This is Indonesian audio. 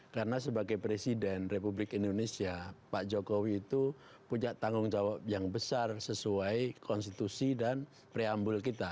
karena sebagai presiden republik indonesia pak jokowi itu punya tanggung jawab yang besar sesuai konstitusi dan preambul kita